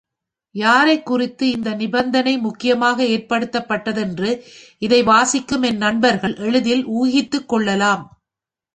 யாரைக் குறித்து இந்த நிபந்தனை முக்கியமாக ஏற்படுத்தப் பட்டதென்று இதை வாசிக்கும் என் நண்பர்கள் எளிதில் ஊகித்துக் கொள்ளலாம்.